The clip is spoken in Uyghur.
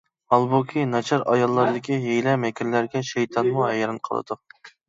ھالبۇكى، ناچار ئاياللاردىكى ھىيلە-مىكىرلەرگە شەيتانمۇ ھەيران قالىدۇ.